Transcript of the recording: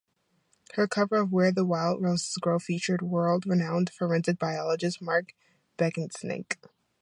Her cover of Where the Wild Roses Grow featured world-renowned forensic biologist Mark Benecke.